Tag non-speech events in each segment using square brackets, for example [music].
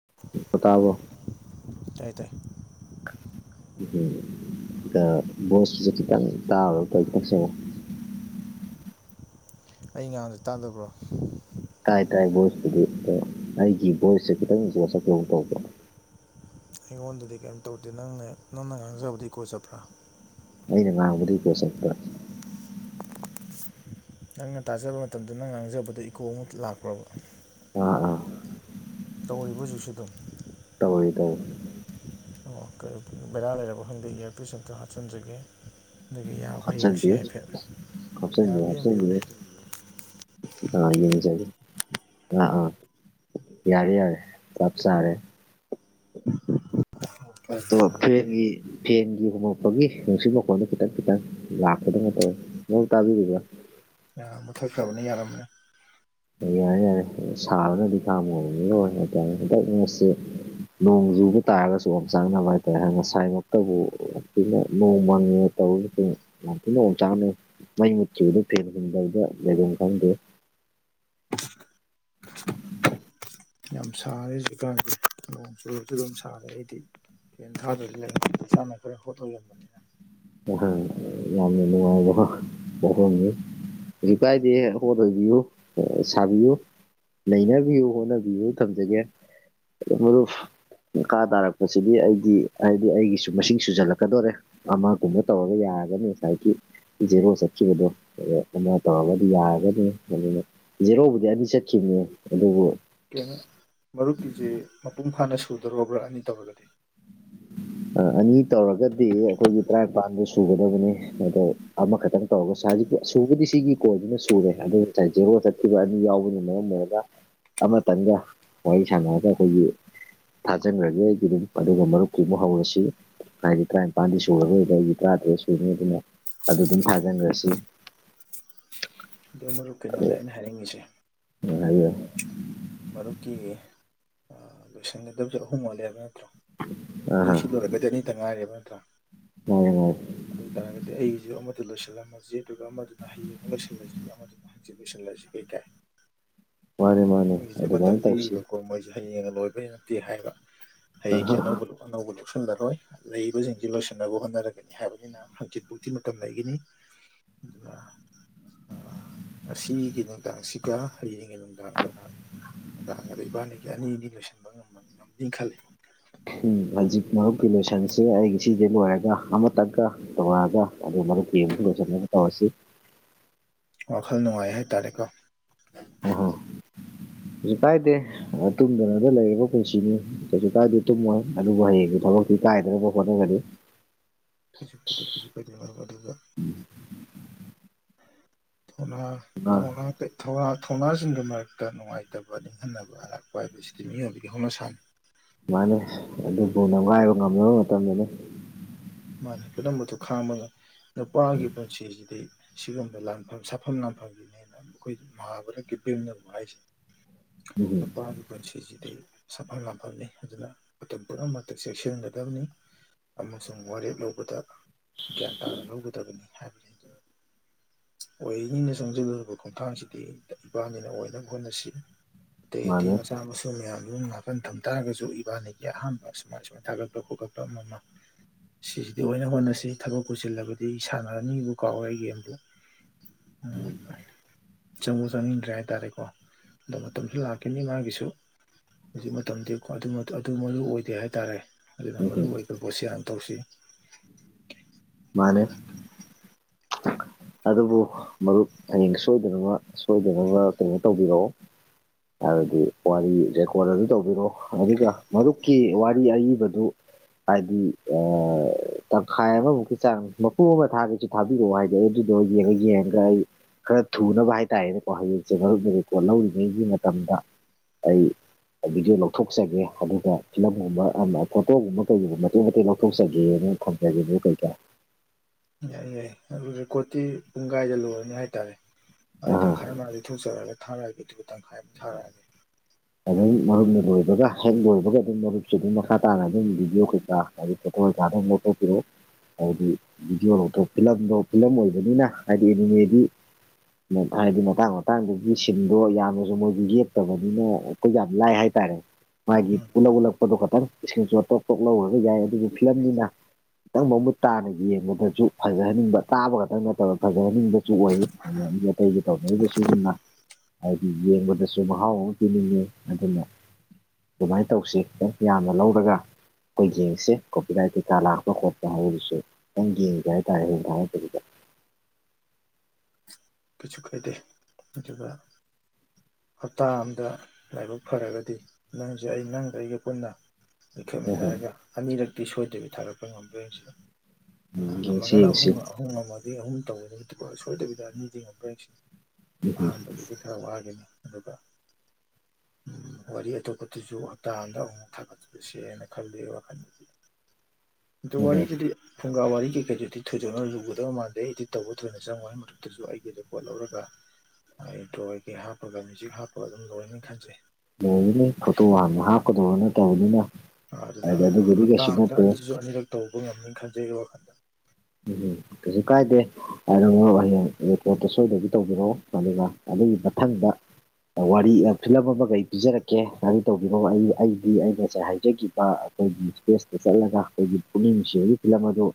[unintelligible] ꯇꯥꯕꯔꯣ ꯇꯥꯏ ꯇꯥꯏ ꯎꯝ ꯣꯁꯁꯨꯈꯤꯇꯪ ꯇꯥꯕꯁ [inaudible] ꯑꯩ ꯉꯥꯡꯕ ꯇꯥꯗꯕ꯭ꯔꯣ ꯇꯥꯏ ꯇꯥꯏ ꯚꯣꯏꯁꯇꯨꯗꯤ ꯑ ꯑꯩꯒꯤ ꯚꯣꯏꯁꯁꯦ ꯈꯤꯇꯪ ꯏꯀꯣ ꯇꯧꯗꯔꯣ꯫ ꯑꯩꯉꯣꯟꯗꯗꯤ ꯀꯩꯝ ꯇꯧꯗꯦ ꯅꯪꯅ ꯅꯪꯅ ꯉꯥꯡꯖꯕꯗꯤ ꯢꯀꯣ ꯆꯠꯕ꯭ꯔꯥ꯫ ꯑꯩꯅ ꯉꯥꯡꯕꯗꯤ ꯏꯀꯣ ꯆꯠꯄꯔꯥ ꯅꯪꯅ ꯇꯥꯖꯕ ꯃꯇꯝꯗ ꯅꯪ ꯉꯥꯡꯖꯕꯗ ꯏꯀꯣ ꯑꯃ ꯂꯥꯛꯄ꯭ꯔꯕ꯫ ꯑꯥ ꯑꯥ ꯇꯧꯔꯤꯕꯣ ꯍꯧꯁꯤꯖꯤꯛꯁꯨ ꯑꯗꯨꯝ ꯇꯧꯔꯤ ꯇꯧꯔꯤ꯫ ꯑꯣ [inaudible] ꯑꯣ ꯕꯦꯔꯥ ꯂꯩꯔꯕ ꯈꯪꯗꯦ ꯏꯌꯥꯔꯄꯤꯁ ꯑꯝꯇ ꯍꯥꯞꯆꯤꯟꯖꯒꯦ꯫ ꯅꯒꯤ ꯌꯥꯕ꯭ꯔꯥ ꯌꯦꯡꯁꯤ ꯍꯥꯞꯆꯟꯕꯤꯌꯨ ꯍꯥꯏꯐꯦꯠ ꯍꯥꯞꯆꯟꯕꯤꯌꯨ ꯌꯥꯕ꯭ꯔꯥ ꯌꯦꯡꯕꯤꯌꯨꯅꯦ꯫ ꯍꯥꯞꯆꯟꯕꯤꯌꯨ ꯑꯥ ꯌꯦꯡꯖꯒꯦ ꯑꯥ ꯑꯥ꯫ ꯌꯥꯔꯦ ꯌꯥꯔꯦ ꯆꯞꯆꯥꯔꯦ ꯑ ꯐꯦꯟꯒꯤ ꯐꯦꯟꯒꯤ ꯍꯨꯝꯂꯛꯄꯒꯤ ꯅꯨꯡꯁꯤꯠ ꯃꯈꯣꯟꯗꯣ ꯈꯤꯇꯪ ꯈꯤꯇꯪ ꯂꯥꯛꯄꯗꯧꯅ ꯇꯧꯋꯦ ꯁꯣꯝ ꯇꯥꯕꯤꯔꯤꯕ ꯑ ꯃꯨꯊꯠꯒ꯭ꯔꯕꯅꯦ ꯌꯥꯔꯝꯃꯅꯤ ꯌꯥꯔꯦ ꯌꯥꯔꯦ ꯁꯥꯕꯅꯗꯤ ꯈꯥꯝꯃꯕꯅꯤꯔꯣꯏ [inaudible] ꯍꯥꯏꯇꯥꯔꯦ ꯍꯟꯗꯛ ꯉꯁꯤ ꯅꯣꯡ ꯆꯨꯕ ꯇꯥꯔꯒꯁꯨ ꯑꯣꯝꯆꯥꯡꯅꯕ ꯍꯥꯏꯇꯥꯔꯦ ꯉꯁꯥꯏꯃꯛꯇꯕꯨꯅ ꯅꯣꯡꯃꯥꯡꯉꯦ ꯇꯧꯔꯁꯨ ꯌꯥꯝ ꯊꯤꯅ ꯑꯣꯝꯆꯥꯡꯅꯩ ꯃꯩ ꯃꯨꯠꯇꯈꯤꯕꯗ ꯐꯦꯟ ꯂꯩꯗ ꯂꯩꯐꯝ ꯈꯪꯗꯦ ꯌꯥꯝ ꯁꯥꯔꯦ ꯍꯧꯖꯤꯛꯀꯥꯟꯁꯦ ꯅꯣꯡ ꯆꯨꯕꯁꯨ ꯑꯗꯨꯝ ꯁꯥꯔꯦ ꯑꯩꯗꯤ꯫ ꯐꯦꯟ ꯊꯥꯗꯗꯤ ꯂꯩ ꯏꯁꯥꯅ ꯈꯔ ꯍꯣꯠꯅꯔꯕꯅꯤ ꯌꯥꯝꯅ ꯅꯨꯡꯉꯥꯏꯕ ꯃꯅꯤ [inaudible] ꯔꯤꯄꯥꯏꯗꯤ ꯍꯣꯠ ꯑꯣꯏꯕꯤꯌꯨ ꯁꯥꯕꯤꯌꯨ ꯅꯩꯅꯕꯤꯌꯨ ꯍꯣꯠꯅꯕꯤꯌꯨ ꯊꯝꯖꯒꯦ ꯃꯗꯨꯨ꯫ ꯃꯈꯥ ꯇꯥꯔꯛꯄꯁꯤꯗꯤ ꯑꯩꯗꯤ ꯍꯥꯏꯗꯤ ꯑꯩꯒꯤꯁꯨ ꯃꯁꯤꯡ ꯁꯨꯖꯜꯂꯛꯀꯗꯣꯔꯦ ꯑꯃ__ ꯀꯒꯨꯝꯕ ꯇꯧꯔꯒ ꯌꯥꯔꯒꯅꯤ ꯉꯁꯥꯏꯒꯤ ꯖꯦꯔꯣ ꯆꯠꯈꯤꯕꯗꯣ ꯑꯗꯣ ꯑꯃ ꯇꯧꯔꯒꯗꯤ ꯌꯥꯔꯒꯗꯤ ꯃꯗꯨꯅ ꯌꯦꯔꯣꯕꯨꯗꯤ ꯑꯅꯤ ꯆꯠꯈꯤꯕꯅꯤ ꯑꯗꯨꯕꯨ ꯀꯩꯅꯣ ꯃꯔꯨꯞꯀꯤꯁꯦ ꯃꯄꯨꯡ ꯐꯥꯅ ꯁꯨꯗꯨꯔꯕ꯭ꯔꯥ ꯑꯅꯤ ꯇꯧꯔꯒꯗꯤ ꯑꯅꯤ ꯇꯧꯔꯒꯗꯤ ꯑꯩꯈꯣꯏꯒꯤ ꯇꯔꯥꯅꯤꯄꯥꯟꯗ ꯁꯨꯒꯗꯕꯅꯤ ꯑꯗꯣ ꯑꯃꯈꯛꯇꯪ ꯇꯧꯔꯒ ꯁꯥꯔ ꯁꯨꯕꯗꯤ ꯁꯤꯒꯤ ꯀꯣꯜꯗꯨꯅ ꯁꯨꯔꯦ ꯑꯗꯨ ꯉꯁꯥꯏ ꯖꯦꯔꯣ ꯊꯤꯕ ꯑꯗꯨ ꯌꯥꯎꯕꯅ ꯃꯔꯝ ꯑꯣꯏꯔꯒ ꯑꯃꯇꯪꯒ ꯋꯥꯔꯤ ꯁꯥꯟꯅꯔꯒ ꯑꯩꯈꯣꯏꯒꯤ__ ꯊꯥꯖꯤꯟꯈ꯭ꯔꯒꯦ ꯑꯩꯒꯤ ꯑꯗꯨꯝ ꯑꯗꯨꯒ ꯃꯔꯨꯞꯀꯤ ꯑꯃꯨꯛ ꯍꯧꯔꯁꯤ꯫ ꯍꯥꯏꯗꯤ ꯇꯔꯥꯅꯤꯄꯥꯥꯟꯗꯤ ꯁꯨꯔꯔꯣꯏꯕ ꯑꯩꯗꯤ ꯇꯔꯥꯇꯔꯦꯠ ꯁꯨꯔꯅꯤ ꯑꯗꯨꯅ ꯑꯗꯨ ꯑꯗꯨꯝ ꯊꯥꯖꯟꯈ꯭ꯔꯁꯤ꯫ ꯑꯗꯣ ꯃꯔꯨꯨꯞ ꯀꯩꯅꯣꯅꯦ ꯑꯩꯅ ꯍꯥꯏꯅꯤꯡꯉꯤꯁꯦ꯫ ꯑꯗꯨ ꯃꯔꯨꯞꯀꯤ ꯂꯣꯏꯁꯟꯒꯗꯧꯔꯤꯁꯦ ꯑꯍꯨꯝ ꯑꯥꯜꯂꯦ ꯍꯥꯏꯕ ꯅꯠꯇ꯭ꯔꯣ ꯑꯗꯨꯏ ꯑꯥ ꯁꯤ ꯂꯣꯏꯔꯛꯀ ꯑꯗꯨꯗꯤ ꯑꯅꯤꯗ ꯉꯥꯏꯔꯦꯕ ꯅꯠꯇ꯭ꯔꯥ ꯑꯣ ꯑꯗꯨ ꯑꯣꯏꯇꯥꯥꯔꯒꯗꯤ ꯑꯩꯒꯤꯁꯨ ꯑꯃꯗ ꯂꯣꯏꯁꯤꯜꯂꯝꯃꯁꯤ ꯑꯗꯨꯒ ꯑꯃꯗꯨꯅ ꯍꯌꯦꯡ ꯑꯃ ꯂꯣꯏꯁꯤꯜꯂꯁꯤ ꯑꯃꯗꯨꯅ__ ꯍꯧꯖꯤꯛ ꯂꯣꯢꯁꯤꯟꯂꯁꯤ ꯀꯩꯀꯥꯏ꯫ ꯃꯥꯅꯦ ꯃꯥꯅꯦ ꯃꯣꯏꯒꯤꯁꯨꯦ ꯃꯇꯝ ꯑꯗꯨꯃꯥꯏꯅ ꯇꯧꯁꯤ ꯄꯤꯔꯤꯕꯀꯣ ꯃꯣꯏꯁꯦ ꯍꯌꯦꯡꯅ ꯂꯣꯏꯕꯩ ꯅꯠꯇꯦ ꯍꯥꯏꯕ ꯍꯌꯦꯡꯁꯦ ꯎꯝ ꯑꯅꯧꯕ ꯂꯣ__ ꯑꯅꯧꯕ ꯂꯧꯁꯤꯜꯂꯔꯣꯏ꯫ ꯂꯩꯔꯤꯕꯁꯤꯡꯁꯤ ꯂꯣꯏꯁꯤꯟꯅꯕ ꯍꯣꯠꯅꯔꯒꯅꯤ ꯍꯥꯏꯕꯅꯤꯅ ꯍꯪꯆꯤꯠ ꯄꯨꯨꯡꯊꯤ ꯃꯇꯝ ꯂꯩꯒꯤꯅꯤ꯫ ꯑꯗꯨꯅ ꯉꯁꯤꯒꯤ ꯅꯨꯡꯗꯥꯡꯁꯤꯒ ꯍꯌꯦꯡꯒꯤ ꯅꯨꯡꯗꯥꯡ__ ꯑꯗꯨꯅ ꯅꯨꯡꯗꯥꯡ ꯑꯗ ꯏꯕꯥꯅꯤꯒꯤ ꯑꯅꯤꯗꯤ ꯂꯣꯏꯁꯤꯟꯕ ꯉꯝꯅꯤꯅ ꯈꯜꯂꯤ꯫ ꯍꯧꯖꯤꯛ ꯃꯔꯨꯞꯀꯤ ꯂꯣꯏꯁꯟꯁꯦ ꯑꯩꯒꯤ ꯁꯤꯗ ꯂꯣꯏꯔꯒ ꯑꯃ__ ꯇꯛꯀ ꯇꯣꯉꯑꯒ ꯑꯗꯨ ꯃꯔꯨꯞ ꯌꯦꯡꯕꯁꯨ ꯂꯣꯏꯁꯤꯟꯅꯕ ꯇꯧꯔꯁꯤ꯫ ꯋꯥꯈꯜ ꯅꯨꯡꯉꯥꯏ ꯍꯥꯏꯇꯥꯔꯦꯀꯣ꯫ ꯑꯍꯣ ꯀꯩꯁꯨ ꯀꯥꯏꯗꯦ ꯑ ꯇꯨꯝꯗꯅꯗ ꯂꯩꯔꯤꯕ ꯄꯨꯟꯁꯤꯅꯤ꯫ ꯀꯩꯁꯨ ꯀꯥꯏꯗꯦ ꯇꯨꯝꯃꯣꯏ ꯑꯗꯨꯕꯨ ꯍꯌꯦꯡꯒꯤ ꯊꯕꯛꯇꯤ ꯀꯥꯏꯗꯅꯕ ꯍꯣꯠꯅꯒꯅꯤ꯫ ꯀꯩꯁꯨ ꯀꯩꯗꯦ ꯀꯩꯁꯨ ꯀꯥꯏꯗꯦ [unintelligible] ꯃꯔꯨꯞ ꯑꯗꯨꯒ [unintelligible] ꯊꯣꯡꯍꯥꯡ ꯀꯩ [inaudible] ꯊꯧꯅꯥ ꯊꯧꯅꯥꯁꯤꯡꯒꯤ ꯃꯔꯛꯇ ꯅꯨꯡꯉꯥꯏꯇꯕ ꯅꯤꯡꯍꯟꯅꯕ ꯑꯔꯥꯛꯄ ꯍꯥꯏꯕꯁꯤꯗꯤ ꯃꯤꯑꯣꯏꯕꯒꯤ ꯍꯧꯅꯁꯥꯅꯤ ꯃꯥꯟꯅꯦ ꯑꯗꯨꯕꯨ ꯅꯝꯒꯥꯏꯕ ꯉꯝꯅꯕ ꯃꯇꯝꯗꯅꯤ ꯃꯥꯅꯤ ꯄꯨꯝꯅꯃꯛꯇ ꯈꯥꯡꯃꯒ ꯅꯨꯄꯥꯒꯤ ꯎꯝ, ꯄꯨꯟꯁꯤꯁꯤꯗꯤ ꯁꯤꯒꯨꯝꯕ ꯂꯥꯟꯐꯝ ꯁꯥꯐꯝ ꯂꯥꯟꯐꯝꯒꯤꯅꯦꯅ ꯑꯩꯈꯣꯏ ꯃꯍꯥꯚꯥꯔꯠꯀꯤ ꯚꯤꯝꯅꯕꯨ ꯍꯥꯏꯁꯦ ꯎꯝꯍꯨꯝ ꯅꯨꯄꯥꯒꯤ ꯄꯨꯟꯁꯤꯁꯤꯗꯤ ꯁꯥꯐꯝ ꯂꯥꯝꯐꯝꯅꯤ ꯑꯗꯨꯅ ꯃꯇꯝ ꯄꯨꯝꯅꯃꯛꯇ ꯆꯦꯛꯁꯤꯟꯒꯗꯕꯅꯤ ꯑꯃꯁꯨꯡ ꯋꯥꯔꯦꯞ ꯂꯧꯕꯗ ꯒ꯭ꯌꯥꯟ ꯇꯥꯅ ꯂꯧꯒꯗꯕꯅꯤ ꯍꯥꯏꯕꯅꯤ ꯑꯗꯨ [unintelligible] [inaudible] ꯑꯣꯏꯅꯤꯅ ꯆꯪꯖꯤꯜꯂꯨꯔꯤꯕ ꯈꯣꯡꯊꯥꯡꯁꯤꯗꯤ ꯏꯕꯥꯅꯤꯅ ꯑꯣꯏꯅꯕ ꯍꯣꯠꯅꯁꯤ ꯑꯇꯩ ꯃꯥꯅꯤ ꯑꯇꯩ ꯃꯆꯥ [unintelligible] [inaudible] ꯁꯨ ꯃꯌꯥꯝꯗꯨ ꯉꯥꯛꯇꯟ ꯊꯝ ꯇꯥꯔꯒꯁꯨ ꯏꯕꯥꯅꯤꯒꯤ ꯑꯍꯥꯟꯕ ꯁꯨꯃꯥꯏ ꯁꯨꯃꯥꯏꯅ ꯊꯥꯒꯠꯄ ꯈꯣꯠꯀꯠꯄ ꯑꯃ ꯑꯃ ꯁꯤꯁꯤꯗꯤ ꯑꯣꯏꯅ ꯍꯣꯠꯅꯁꯤ ꯊꯕꯛ ꯄꯨꯁꯤꯜꯂꯕꯗꯤ ꯏꯁꯥꯟꯅ ꯃꯤꯕꯨ ꯀꯥꯎꯋꯦ ꯒꯦꯝꯗ [unintelligible] ꯎꯝ [inaudible] [unintelligible] ꯆꯪꯉꯨ ꯆꯪꯅꯤꯡꯗ꯭ꯔꯦ ꯍꯥꯏꯇꯥꯔꯦꯀꯣ ꯑꯗꯣ ꯃꯇꯝꯁꯨ ꯂꯥꯛꯀꯅꯤ ꯃꯥꯒꯤꯁꯨ ꯍꯧꯖꯤꯛ ꯃꯇꯝꯗꯤ ꯈ꯭ꯋꯥꯏꯗꯤ ꯃꯗꯨ ꯑꯗꯨ ꯃꯔꯨ ꯑꯣꯏꯗꯦ ꯍꯥꯏꯇꯥꯔꯦ ꯑꯗꯨꯅ ꯃꯔꯨ ꯎꯝꯍꯨꯝ ꯑꯣꯏꯕ ꯄꯣꯠꯁꯤ ꯍꯥꯟ ꯇꯧꯁꯤ ꯃꯥꯅꯦ ꯑꯗꯨꯕꯨ ꯃꯔꯨꯞ ꯍꯌꯦꯡ ꯁꯣꯏꯗꯅꯕ ꯁꯣꯏꯗꯅꯕ ꯀꯩꯅꯣ ꯇꯧꯕꯤꯔꯛꯑꯣ ꯍꯥꯏꯕꯗꯤ ꯋꯥꯔꯤ ꯔꯦꯀꯣꯔꯠ ꯑꯗꯨ ꯇꯧꯕꯤꯔꯣ ꯑꯗꯨꯒ ꯃꯔꯨꯞꯀꯤ ꯋꯥꯔꯤ ꯑꯏꯕꯗꯨ ꯍꯥꯏꯗꯤ ꯑ ꯇꯪꯈꯥꯏ ꯑꯃꯃꯨꯛꯀꯤ ꯆꯥꯡ ꯃꯄꯨ ꯑꯃ ꯊꯥꯒꯦꯁꯨ ꯊꯥꯕꯤꯔꯛꯑꯣ ꯍꯥꯏꯗꯤ ꯑꯩ ꯗꯨꯗꯣ ꯌꯦꯡꯉ ꯌꯦꯡꯉꯒ ꯑꯩ ꯈꯔ ꯊꯨꯅꯕ ꯍꯥꯏꯇꯥꯔꯦꯅꯦꯀꯣ ꯍꯌꯦꯡꯁꯦ ꯃꯔꯨꯞꯀꯤ ꯔꯤꯄꯣꯔꯠ ꯂꯧꯔꯤꯉꯩꯒꯤ ꯃꯇꯝꯗ, ꯑꯩ ꯑꯩ ꯚꯤꯗꯤꯑꯣ ꯂꯧꯊꯣꯛꯆꯒꯦ ꯑꯗꯨꯒ ꯐꯤꯂꯝꯒꯨꯝꯕ ꯑꯃ ꯐꯣꯇꯣꯒꯨꯝꯕ ꯀꯩꯒꯨꯝꯕ ꯃꯇꯦꯛ ꯃꯇꯦꯛ ꯂꯧꯊꯣꯛꯆꯒꯦꯅ ꯊꯝꯖꯒꯦꯕꯨ ꯀꯩꯀꯥꯏ ꯌꯥꯏ ꯌꯥꯏ ꯑꯗꯨ ꯔꯦꯀꯣꯠꯇꯤ ꯄꯨꯡꯈꯥꯏꯗ ꯂꯣꯏꯔꯅꯤ ꯍꯥꯏꯇꯥꯔꯦ꯫ ꯑꯥꯏ ꯑꯥ ꯇꯪꯈꯥꯏ ꯃꯥꯗꯤ ꯊꯨꯆꯔꯛꯒ ꯊꯥꯔꯛꯑꯒꯦ ꯑꯗꯨꯒ ꯇꯪꯈꯥꯏ ꯑꯃ ꯊꯥꯔꯛꯑꯅꯤ ꯑꯗꯨꯝ ꯃꯔꯨꯞꯅ ꯂꯣꯏꯕꯒ ꯍꯦꯛ ꯂꯣꯏꯕꯒ ꯑꯗꯨꯝ ꯃꯔꯨꯞꯁꯦ ꯑꯗꯨꯝ ꯃꯈꯥ ꯇꯥꯅ ꯑꯗꯨꯝ ꯚꯤꯗꯤꯑꯣ ꯀꯩꯀꯥ ꯍꯥꯏꯗꯤ ꯐꯣꯇꯣ [unintelligible] ꯄꯤꯔꯣ [inaudible] ꯍꯥꯏꯗꯤ ꯚꯤꯗꯤꯑꯣ ꯂꯧꯊꯣꯛ ꯐꯤꯂꯝꯗꯣ ꯐꯤꯂꯝ ꯑꯣꯏꯕꯅꯤꯅ ꯍꯥꯏꯗꯤ ꯑꯦꯅꯤꯃꯦꯗꯤ [unintelligible] ꯃꯇꯥꯡ ꯃꯇꯥꯡꯗꯨꯒꯤ ꯁꯤꯟꯗꯣ ꯌꯥꯝꯅꯁꯨ ꯃꯣꯏꯁꯨ ꯌꯦꯛꯇꯕꯅꯤꯅ ꯑꯩꯈꯣꯏ ꯌꯥꯝ ꯂꯥꯏ ꯍꯥꯏꯇꯥꯔꯦ ꯃꯥꯒꯤ ꯎꯝ ꯄꯨꯂꯞ ꯎꯜꯂꯛꯄꯗꯣ ꯈꯇꯪ ꯏꯁꯀ꯭ꯔꯤꯟꯁꯣꯠ ꯇꯣꯡ ꯇꯣꯛ ꯂꯧꯔꯒ ꯌꯥꯏ ꯑꯗꯨꯕꯨ ꯐꯤꯂꯝꯅꯤꯅ ꯈꯤꯇꯪ ꯃꯃꯨꯠ ꯇꯥꯅ ꯌꯦꯡꯕꯗꯁꯨ ꯐꯖꯍꯟꯅꯤꯡꯕ ꯇꯥꯕ ꯈꯛꯇꯪ ꯅꯠꯇꯅ ꯐꯖꯍꯟꯅꯤꯡꯕꯁꯨ ꯑꯣꯏꯌꯦ [unintelligible] ꯃꯤ ꯑꯇꯩꯒꯤ ꯇꯧꯅꯔꯤꯕ ꯁꯤꯒꯨꯝꯅ ꯍꯥꯏꯗꯤ ꯌꯦꯡꯕꯗꯁꯨ ꯃꯍꯥꯎ ꯑꯃ ꯄꯤꯅꯤꯡꯉꯤ ꯑꯗꯨꯅ ꯑꯗꯨꯃꯥꯏꯅ ꯇꯧꯁꯤ ꯈꯤꯇꯪ ꯌꯥꯝꯅ ꯂꯧꯔꯒ ꯑꯩꯈꯣꯏ ꯌꯦꯡꯁꯦ ꯀꯣꯄꯤꯔꯥꯏꯠ ꯀꯩꯀꯥ ꯂꯥꯛꯄ ꯈꯣꯠꯄ ꯍꯧꯔꯤꯁꯦ ꯅꯪ ꯌꯦꯡꯒꯦ ꯍꯥꯏꯇꯥꯔꯦ ꯍꯣꯡ ꯐꯥꯔꯛꯇꯕꯤꯗ ꯀꯩꯁꯨ ꯀꯥꯏꯗꯦ ꯗꯨꯗꯨꯒ ꯍꯞꯇꯥ ꯑꯝꯗ ꯂꯥꯏꯕꯛ ꯐꯔꯒꯗꯤ ꯅꯪꯁꯦ ꯑꯩ ꯅꯪꯒ ꯑꯩꯒ ꯄꯨꯟꯅ ꯎꯝ ꯂꯤꯈꯠꯃꯤꯟꯅꯔꯒ ꯑꯅꯤꯔꯛꯇꯤ ꯁꯣꯏꯗꯕꯤ ꯊꯥꯒꯛꯄ ꯉꯝꯕ꯭ꯔ ꯌꯦꯡꯁꯤ [unintelligible] ꯑ ꯌꯦꯡꯁꯤ ꯉꯝꯃꯒꯅ ꯌꯦꯡꯁꯤ ꯑꯍꯨꯝꯒ ꯑꯍꯣꯡ ꯉꯝꯃꯗꯤ ꯑꯍꯨꯝ ꯇꯧꯋꯦ ꯅꯨꯀꯣ ꯁꯣꯏꯗꯕꯤꯗ ꯑꯅꯤꯗꯤ ꯉꯝꯕ꯭ꯔꯥꯁꯤ ꯎꯝ ꯑꯍꯥꯟꯕꯒꯤꯗꯤ ꯈꯔ ꯋꯥꯒꯅꯤ ꯑꯗꯨꯒ [unintelligible] [inaudible] ꯎꯝ ꯋꯥꯔꯤ ꯑꯇꯣꯞꯄꯗꯨꯁꯨ ꯍꯞꯇꯥ ꯑꯝꯗ ꯑꯃꯨꯃꯨꯛ ꯊꯥꯒꯠꯆꯁꯦ ꯍꯥꯏꯅ ꯈꯜꯂꯤ ꯑꯩ ꯋꯥꯈꯟꯗ [inaudible] ꯑꯗꯨ ꯋꯥꯔꯤꯗꯨꯗꯤ ꯐꯨꯡꯒꯥ ꯋꯥꯔꯤ ꯀꯩꯀꯩꯗꯨꯗꯤ ꯊꯣꯏꯗꯣꯛꯅ ꯂꯨꯒꯗꯕ ꯃꯥꯟꯗꯦ ꯑꯩꯗꯤ ꯇꯧꯕ ꯊꯣꯏꯅ ꯆꯪꯉꯅꯤ ꯃꯔꯛꯇꯖꯨ ꯑꯩ ꯔꯦꯀꯣꯔꯠ ꯂꯧꯔꯒ ꯑꯩ ꯗ꯭ꯔꯣꯏꯒꯤ ꯍꯥꯞꯄꯒ ꯃ꯭ꯌꯨꯖꯤꯛ ꯍꯥꯞꯄꯒ ꯑꯗꯨꯝ ꯂꯣꯏꯅꯦ ꯈꯟꯖꯩ [unintelligible] ꯐꯣꯇꯣ ꯑꯃꯨꯛ ꯍꯥꯞꯀꯗꯕ ꯅꯠꯇꯕꯅꯤꯅ ꯑꯗꯨꯅ ꯍꯥꯏꯗꯤ ꯑꯗꯨꯕꯨꯗꯤ ꯍꯞꯇꯥ ꯀꯩꯁꯨ ꯑꯃꯗ ꯅꯠꯇꯦ ꯑꯅꯤꯖꯨ ꯑꯅꯤꯔꯛ ꯇꯧꯕ ꯉꯝꯅꯤ ꯈꯟꯖꯩ ꯑꯩꯒꯤ ꯋꯥꯈꯜꯗ ꯎꯝ ꯀꯩꯁꯨ ꯀꯥꯏꯗꯦ ꯑꯗꯨꯕꯨ ꯍꯌꯦꯡ ꯄꯣꯠꯇꯣ ꯁꯣꯏꯗꯕꯤ ꯇꯧꯕꯤꯔꯛꯑꯣ ꯑꯗꯨꯒ ꯑꯗꯨꯒꯤ ꯃꯊꯪꯗ ꯋꯥꯔꯤ ꯐꯤꯂꯝ ꯑꯃꯒ ꯑꯩ ꯄꯤꯖꯔꯛꯀꯦ [unintelligible] ꯇꯧꯕꯤꯔꯛꯑꯣ ꯑꯩ ꯑꯩꯗꯤ ꯑꯩꯅ ꯉꯁꯥꯏ ꯍꯥꯏꯖꯒꯤꯕ ꯑꯩꯈꯣꯏꯒꯤ ꯏꯁꯄꯦꯁꯇ ꯆꯠꯂꯒ ꯑꯩꯈꯣꯏꯒꯤ ꯄꯨꯛꯅꯤꯡ ꯅꯨꯡꯁꯤꯕꯒꯤ ꯐꯤꯂꯝ ꯑꯗꯨ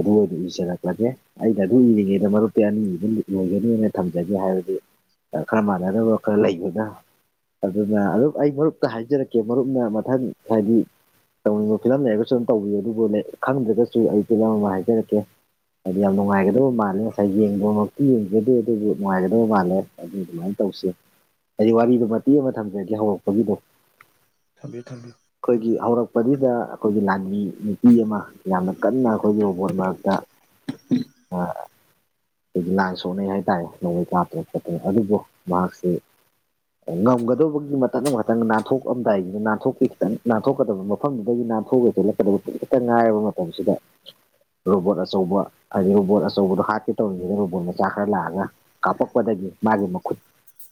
ꯑꯗꯨ ꯑꯣꯏꯅ ꯏꯖꯔꯛꯂꯒꯦ ꯑꯩꯅ ꯑꯗꯨꯝ ꯏꯔꯤꯉꯩꯗ ꯃꯔꯨꯞꯇꯤ ꯑꯅꯤꯒꯤ ꯑꯗꯨꯝ ꯂꯣꯏꯒꯤꯅꯤꯅ ꯊꯝꯖꯒꯦ ꯍꯥꯏꯕꯗꯤ ꯈꯔ ꯃꯥꯟꯅꯗꯅꯕ ꯈꯔ ꯂꯩꯕꯅ ꯑꯗꯨꯅ ꯑꯗꯨꯝ ꯑꯩ ꯃꯔꯨꯞꯇ ꯍꯥꯏꯖꯔꯛꯀꯦ ꯃꯔꯨꯞꯅ ꯃꯊꯪ ꯍꯥꯏꯗꯤ ꯇꯧꯅꯤꯡꯕ ꯐꯤꯂꯝ ꯂꯩꯔꯒꯁꯨ ꯑꯗꯨꯝ ꯇꯧꯕꯤꯌꯨ ꯑꯗꯨꯕꯨ ꯈꯪꯗ꯭ꯔꯒꯁꯨ ꯑꯩ ꯐꯤꯂꯝ ꯑꯃ ꯍꯥꯏꯖꯔꯛꯀꯦ ꯍꯥꯏꯗꯤ ꯌꯥꯝ ꯅꯨꯡꯉꯥꯏꯒꯗꯕ ꯃꯥꯜꯂꯦ ꯉꯁꯥꯏ ꯌꯦꯡꯕꯃꯛꯇꯤ ꯌꯦꯡꯖꯗꯦ ꯑꯗꯨꯕꯨ ꯅꯨꯡꯉꯥꯏꯒꯗꯕ ꯃꯥꯜꯂꯦ ꯑꯗꯨ ꯑꯗꯨꯃꯥꯏꯅ ꯇꯧꯁꯦ ꯍꯥꯏꯗꯤ ꯋꯥꯔꯤꯗꯣ ꯃꯇꯦꯛ ꯑꯃ ꯅꯝꯖꯦ ꯍꯧꯔꯛꯄꯒꯤꯗꯣ ꯊꯝꯕꯤꯌꯨ ꯊꯝꯕꯤꯌꯨ ꯑꯩꯈꯣꯏꯒꯤ ꯍꯧꯔꯛꯄꯗꯨꯗ ꯑꯩꯈꯣꯏꯒꯤ ꯂꯥꯟꯃꯤ ꯅꯨꯄꯤ ꯑꯃ ꯌꯥꯝꯅ ꯀꯟꯅ ꯑꯩꯈꯣꯏꯒꯤ ꯔꯣꯕꯣꯠ ꯃꯔꯛꯇ ꯑꯗꯒꯤ ꯂꯥꯟ ꯁꯣꯛꯅꯩ ꯍꯥꯏꯇꯥꯔꯦ ꯅꯣꯡꯃꯩ ꯀꯥꯞꯇꯅ ꯈꯣꯠꯇꯅ ꯑꯗꯨꯕꯨ ꯃꯍꯥꯛꯁꯤ ꯑꯣ ꯉꯝꯒꯗꯧꯕꯒꯤ ꯃꯇꯝꯗꯣ ꯉꯥꯛꯇꯪ ꯅꯥꯟꯊꯣꯛꯑꯝꯗꯥꯏꯗꯨꯅ ꯅꯥꯟꯊꯣꯛ [unintelligible] ꯈꯤꯇꯪ ꯅꯥꯟꯊꯣꯛꯀꯗꯕ ꯃꯐꯝꯗꯨꯗꯒꯤ ꯅꯥꯟꯊꯣꯛꯑꯒ ꯆꯦꯜꯂꯛꯀꯗꯕ ꯈꯥꯖꯤꯛ ꯈꯛꯇꯥ ꯉꯥꯏꯔꯕ ꯃꯇꯝꯁꯤꯗ ꯔꯣꯕꯣꯠ ꯑꯆꯧꯕ ꯍꯥꯏꯗꯤ ꯔꯣꯕꯣꯠ ꯑꯆꯧꯕꯗꯣ ꯍꯥꯠꯀꯦ ꯇꯧꯔꯤꯉꯩꯗ ꯔꯣꯕꯣꯠ ꯃꯆꯥ ꯈꯔ ꯂꯥꯛꯑꯒ ꯀꯥꯞꯄꯛꯄꯗꯒꯤ ꯃꯥꯒꯤ ꯃꯈꯨꯠ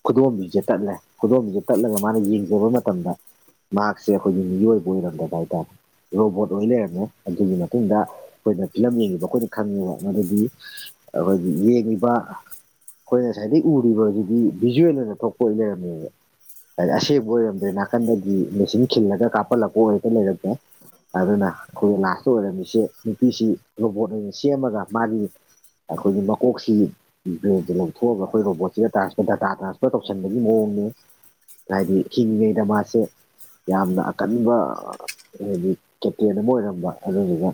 ꯈꯨꯗꯣꯝꯕꯤꯖꯦ ꯇꯠꯂꯦ ꯈꯨꯗꯣꯝꯕꯤꯖꯦ ꯇꯠꯂꯒ ꯃꯥꯅ ꯌꯦꯡꯖꯕ ꯃꯇꯝꯗ ꯁꯦ ꯑꯩꯈꯣꯏꯒꯤ ꯃꯤꯑꯣꯏꯕ ꯑꯣꯏꯔꯝꯗꯕ ꯍꯥꯏꯇꯥꯔꯦ ꯔꯣꯕꯣꯠ ꯑꯣꯏ ꯂꯩꯔꯝꯃꯦ ꯑꯗꯨꯒꯤ ꯃꯇꯨꯡꯗ ꯑꯩꯈꯣꯏꯅ ꯐꯤꯂꯝ ꯌꯦꯡꯉꯤꯕ ꯑꯩꯈꯣꯏꯅ ꯈꯪꯉꯦꯕ ꯃꯗꯨꯗꯤ ꯑꯩꯈꯣꯏꯒꯤ ꯌꯦꯡꯉꯤꯕ ꯑꯩꯈꯣꯏꯅ ꯉꯁꯥꯏꯗꯩ ꯎꯔꯤꯕꯖꯤꯗꯤ ꯚꯤꯖꯨꯋꯦꯜ ꯑꯣꯏꯅ ꯊꯣꯛꯄ ꯑꯣꯏ ꯂꯩꯔꯝꯃꯦꯕ [unintelligible] ꯑꯁꯦꯡꯕ ꯑꯣꯏꯔꯝꯗ꯭ꯔꯦ ꯅꯥꯀꯟꯗꯗꯤ ꯃꯦꯆꯤꯟ ꯈꯤꯜꯂꯒ ꯀꯥꯞꯄꯜꯂꯛꯄ ꯑꯣꯏꯔꯒ ꯂꯩꯔꯝꯃꯦ ꯑꯗꯨꯅ ꯑꯩꯈꯣꯏ ꯂꯥꯁꯇ ꯑꯣꯏꯔꯝꯃꯤꯁꯦ ꯅꯨꯄꯤꯁꯤ ꯔꯣꯕꯣꯠ ꯑꯣꯏꯅ ꯁꯦꯝꯃꯒ ꯃꯥꯒꯤ ꯑꯩꯈꯣꯏꯒꯤ ꯃꯀꯣꯛꯁꯤ ꯕ꯭ꯔꯦꯟꯖꯦ ꯂꯧꯊꯣꯛꯑꯒ ꯑꯩꯈꯣꯏ ꯔꯣꯕꯣꯠꯁꯤꯒ ꯇ꯭ꯔꯥꯟꯁꯐꯔ ꯗꯥꯇꯥ ꯇ꯭ꯔꯥꯟꯁꯐꯔ ꯇꯧꯁꯟꯕꯒꯤ ꯃꯑꯣꯡꯅꯦ ꯍꯥꯏꯗꯤ ꯍꯤꯂꯤꯉꯩꯗ ꯃꯥꯁꯦ ꯌꯥꯝꯅ ꯑꯀꯟꯕ ꯍꯥꯏꯗꯤ ꯀꯦꯞꯇꯦꯟ ꯑꯃ ꯑꯣꯏꯔꯝꯕ ꯑꯗꯨꯗꯨꯒ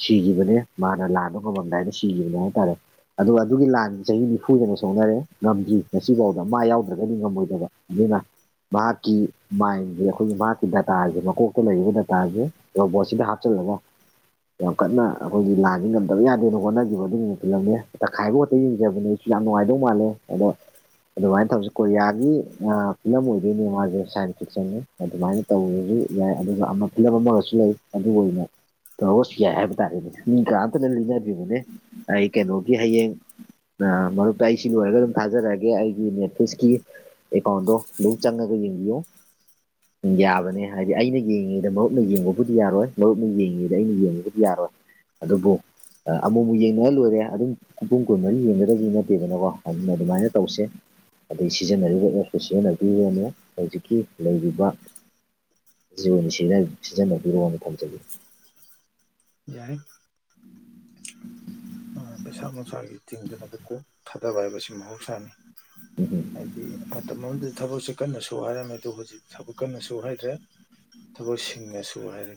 ꯁꯤꯒꯤꯕꯅꯦ ꯃꯥꯅ ꯂꯥꯟꯗꯣ ꯉꯝꯃꯝꯗꯥꯏꯗ ꯁꯤꯒꯤꯕꯅꯦ ꯍꯥꯏꯇꯥꯔꯦ ꯑꯗꯨꯒ ꯑꯗꯨꯒꯤ ꯂꯥꯟ ꯆꯍꯤ ꯅꯤꯐꯨ ꯍꯦꯟꯅ ꯁꯣꯛꯅꯔꯦ ꯉꯝꯗ꯭ꯔꯤ ꯉꯁꯤꯐꯥꯎꯗ ꯃꯥ ꯌꯥꯎꯗ꯭ꯔꯒꯗꯤ ꯉꯝꯃꯣꯏꯗꯕ ꯑꯗꯨꯅ ꯃꯍꯥꯛꯀꯤꯀꯤ ꯃꯥꯏꯟ [unintelligible] ꯑꯩꯈꯣꯏꯒꯤ ꯃꯍꯥꯛꯀꯤ ꯗꯥꯇꯥꯁꯦ ꯃꯀꯣꯛꯇ ꯂꯩꯔꯤꯕ ꯗꯥꯇꯥꯁꯦ ꯔꯣꯕꯣꯠꯁꯤꯗ ꯍꯥꯞꯆꯜꯂꯒ ꯌꯥꯝ ꯀꯟꯅ ꯑꯩꯈꯣꯏꯒꯤ ꯂꯥꯟꯗꯤ ꯉꯝꯗꯕ ꯌꯥꯗꯦꯅ ꯍꯣꯠꯅꯒꯤꯕ ꯑꯗꯨꯨꯝꯕ ꯐꯤꯂꯝꯅꯦ ꯇꯡꯈꯥꯏꯕꯛꯇꯪ ꯌꯦꯡꯖꯕꯅꯤ ꯌꯥꯝ ꯅꯨꯡꯉꯥꯏꯗꯧ ꯃꯥꯜꯂꯦ ꯑꯗꯣ ꯑꯗꯨꯃꯥꯏꯅ ꯇꯧꯁꯤ ꯀꯣꯔꯤꯌꯥꯒꯤ ꯐꯤꯂꯝ ꯑꯣꯏꯗꯣꯏꯅꯦ ꯃꯥꯖꯦ ꯁꯥꯏꯟ ꯐꯤꯛꯁꯟꯅꯤ ꯑꯗꯨꯃꯥꯏꯟ ꯇꯧꯔꯖꯨ ꯌꯥꯏ ꯑꯗꯨꯒ ꯑꯃ ꯐꯤꯂꯝ ꯑꯃꯒꯁꯨ ꯂꯩ ꯑꯗꯨ ꯑꯣꯏꯅ ꯇꯧꯔꯁꯨ ꯌꯥꯏ ꯍꯥꯏꯕ ꯇꯥꯔꯦꯅꯦ ꯃꯤ ꯀꯅꯥꯝꯇꯅ ꯂꯤꯅꯗ꯭ꯔꯤꯕꯅꯦ ꯑꯩ ꯀꯩꯅꯣꯒꯤ ꯍꯌꯦꯡ ꯑ ꯃꯔꯨꯞꯇ ꯑꯩꯁꯤ ꯂꯣꯏꯔꯒ ꯑꯗꯨꯝ ꯊꯥꯖꯔꯛꯑꯒꯦ ꯑꯩꯒꯤ ꯅꯦꯠꯐ꯭ꯂꯤꯛꯁꯀꯤ ꯑꯦꯀꯥꯎꯟꯗꯣ ꯑꯗꯨꯝ ꯆꯪꯉꯒ ꯌꯦꯡꯕꯤꯌꯣ ꯌꯥꯕꯅꯦ ꯍꯥꯏꯗꯤ ꯑꯩꯅ ꯌꯦꯡꯉꯤꯉꯩꯗ ꯃꯔꯨꯞꯅ ꯌꯦꯡꯕꯕꯨꯗꯤ ꯌꯥꯔꯣꯏ ꯃꯔꯨꯞꯅ ꯌꯦꯡꯉꯤꯉꯩꯗ ꯑꯩꯅ ꯌꯦꯡꯉꯨꯕꯨꯗꯤ ꯌꯥꯔꯣꯏ ꯑꯗꯨꯕꯨ ꯑꯃꯨꯛꯃꯨꯛ ꯌꯦꯡꯅꯔ ꯂꯣꯏꯔꯦ ꯑꯗꯨꯝ ꯄꯨꯡ ꯀꯨꯟꯃꯔꯤ ꯌꯦꯡꯒꯗꯕꯗꯤ ꯅꯠꯇꯦꯗꯅꯀꯣ ꯑꯗꯨꯅ ꯑꯗꯨꯃꯥꯏꯅ ꯇꯧꯁꯦ ꯑꯗꯩ ꯁꯤꯖꯤꯟꯅꯔꯤꯕ ꯑꯣꯐꯁꯤꯟꯅ ꯑꯗꯨ ꯌꯦꯡꯃꯦ ꯍꯧꯖꯤꯛꯀꯤ ꯂꯩꯔꯤꯕ ꯖꯤꯣꯟꯁꯤ ꯁꯤꯖꯤꯟꯅꯕꯤꯔꯣꯑꯣꯅ ꯊꯝꯖꯒ ꯌꯥꯏꯦ ꯄꯩꯁꯥ ꯅꯨꯡꯁꯥꯒꯤ ꯇꯤꯡꯗꯅꯗ ꯀꯣꯛ ꯊꯥꯗꯕ ꯍꯥꯏꯕꯁꯤ ꯃꯍꯧꯁꯥꯅꯤ ꯇꯥꯕꯔꯣ ꯍꯥꯏꯗꯤ ꯃꯇꯝ ꯑꯃꯗ ꯊꯕꯛꯁꯦ ꯀꯟꯅ ꯁꯨ ꯍꯥꯏꯔꯝꯃꯦ ꯑꯗꯨ ꯍꯧꯖꯤꯛꯇꯤ ꯊꯕꯛ ꯀꯟꯅ ꯁꯨ ꯍꯥꯏꯗ꯭ꯔꯦ ꯊꯕꯛꯁꯤꯡꯅꯁꯨ ꯍꯥꯏꯔꯦ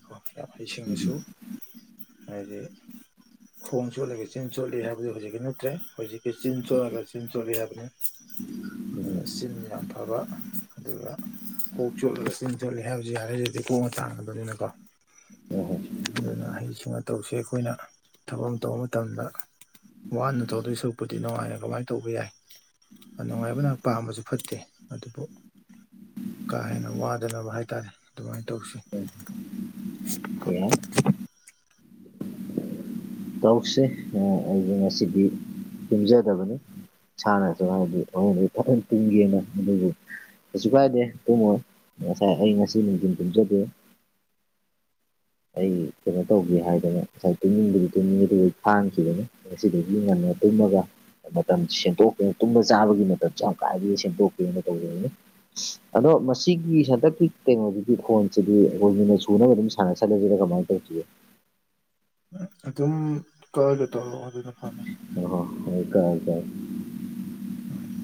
ꯍꯩꯁꯤꯡꯅꯁꯨ ꯍꯥꯏꯗꯤ ꯈꯣꯡꯁꯣꯠꯂꯒ ꯆꯤꯟ ꯆꯣꯠꯂꯤ ꯍꯥꯏꯕꯗꯣ ꯍꯧꯖꯤꯛꯇꯤ ꯅꯠꯇ꯭ꯔꯦ ꯍꯧꯖꯤꯛꯀꯤ ꯆꯤꯟ ꯆꯣꯠꯂꯒ ꯆꯤꯟ ꯆꯣꯠꯂꯤ ꯍꯥꯏꯕꯅꯤ ꯆꯤꯟ ꯌꯥꯝ ꯐꯕ ꯑꯗꯨꯒ ꯈꯣꯡ ꯆꯣꯠꯂꯒ ꯆꯤꯟ ꯆꯣꯠꯂ ꯍꯥꯏꯕꯁꯨ ꯌꯥꯔꯦꯗꯤ ꯀꯣꯛꯅ ꯆꯥꯡꯕꯅꯤꯅꯀꯣ ꯍꯣꯏ ꯍꯣꯏ ꯑꯗꯨꯅ ꯍꯩꯁꯤꯡꯅ ꯇꯧꯁꯦ ꯑꯩꯈꯣꯏꯅ ꯊꯕꯥꯛ ꯇꯧꯕ ꯃꯇꯝꯗ ꯋꯥꯅ ꯇꯧꯗꯣꯏ ꯁꯁꯨꯛꯄꯨꯗꯤ ꯅꯨꯡꯉꯥꯏꯅꯨꯡꯉꯥꯏꯅ ꯇꯧꯕ ꯌꯥꯏ ꯅꯨꯡꯉꯥꯏꯕꯅ ꯄꯥꯝꯕꯁꯨ ꯐꯠꯇꯦ ꯑꯗꯨꯕꯨ ꯀꯥꯍꯦꯟꯅ ꯋꯥꯗꯅꯕ ꯍꯥꯏꯇꯥꯔꯦ ꯑꯗꯨꯃꯥꯏꯅ ꯇꯧꯁꯤ [unintelligible] ꯇꯧꯁꯦ ꯑꯩ ꯉꯁꯤꯗꯤ ꯇꯨꯝꯖꯗꯕꯅꯤ ꯁꯥꯟꯅꯁꯨ ꯍꯥꯏꯗꯤ ꯊꯑꯣꯣꯡꯗꯗꯤ ꯐꯖꯅ ꯇꯤꯡꯒꯦꯅ ꯑꯗꯨꯕꯨ ꯀꯩꯁꯨ ꯀꯥꯏꯗꯦ ꯇꯨꯝꯃꯣꯏ ꯉꯁꯥꯏ ꯑꯩ ꯉꯁꯤ ꯅꯨꯡꯊꯤꯟ ꯇꯨꯝꯖꯗꯦ ꯑꯩ ꯀꯩꯅꯣ ꯇꯧꯒꯦ ꯍꯥꯏꯗꯅ ꯉꯁꯥꯏ ꯇꯨꯝꯅꯤꯡꯕꯗꯤ ꯇꯨꯝꯅꯤꯡꯉꯤ ꯑꯗꯨꯒ ꯑꯩ ꯐꯥꯡꯈꯤꯕꯅꯤ ꯉꯁꯤꯗꯤ ꯉꯟꯅ ꯇꯨꯝꯃꯒ ꯃꯇꯝ ꯁꯦꯝꯗꯣꯛꯀꯦ ꯇꯨꯝꯅ ꯆꯥꯕꯒꯤ ꯃꯇꯝꯁꯦ ꯌꯥꯝ ꯀꯥꯏꯗ ꯁꯦꯝꯗꯣꯛꯀꯦꯅ ꯇꯧꯖꯅꯤ ꯑꯗꯣ ꯃꯁꯤꯒꯤ ꯍꯟꯗꯛꯀꯤ ꯀꯩꯅꯣꯁꯤꯗꯤ ꯈꯣꯟꯁꯤꯗꯤ ꯑꯩꯈꯣꯏ ꯃꯤꯅ ꯁꯨꯅꯕ ꯑꯗꯨꯝ ꯁꯥꯟꯅꯁꯤ ꯑꯗꯨꯒꯤꯗꯣ ꯀꯥꯃꯥꯏ ꯇꯧꯈꯤꯒꯦ ꯑꯗꯨꯝ ꯀꯔꯗ ꯇꯧꯔꯛꯑꯣ ꯑꯗꯨꯅ ꯐꯅꯤ ꯑ ꯍ ꯍꯥꯏꯀꯀꯥꯏ ꯎꯝ